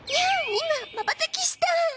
今まばたきした